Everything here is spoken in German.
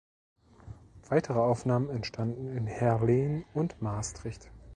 Weitere Aufnahmen entstanden in Heerlen und Maastricht.